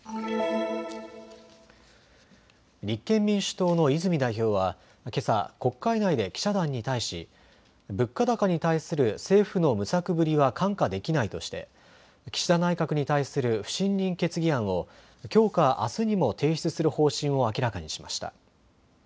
立憲民主党の泉代表はけさ国会内で記者団に対し物価高に対する政府の無策ぶりは看過できないとして岸田内閣に対する不信任決議案をきょうか、あすにも提出する方針を明らかにしました。